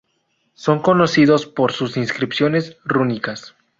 Son conocidos por sus inscripciones rúnicas.